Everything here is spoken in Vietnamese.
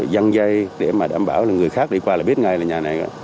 văn dây để đảm bảo người khác đi qua là biết ngay là nhà này rồi